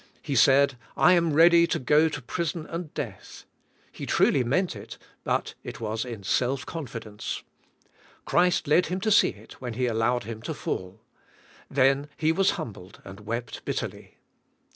He said, I am ready to go to prison and death. He truly meant it, but it was in self confidence. Christ led him to see it when He allowed him to fall. Then he was humbled and wept bitterly.